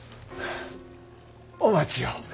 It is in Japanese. お待ちを。